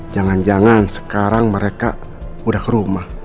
jangan jangan sekarang mereka udah ke rumah